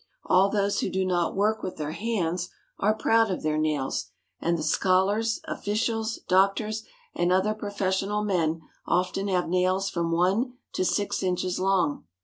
All those who do not work with their hands are proud of their nails, and the scholars, officials, doctors, and other professional men often have nails from one to six inches long.